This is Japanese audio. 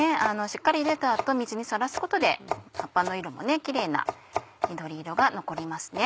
しっかりゆでた後水にさらすことで葉っぱの色もキレイな緑色が残りますね。